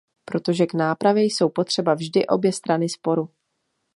Protože k nápravě jsou potřeba vždy obě strany sporu.